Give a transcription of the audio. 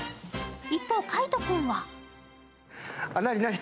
一方、海音君は？